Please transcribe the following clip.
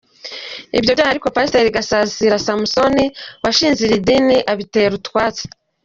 Ibyo byaha ariko Pasiteri Gasarasi Samson washinze iri dini abitera utwatsi.